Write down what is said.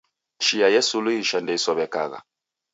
Chia yesuluhisha ndeisow'ekagha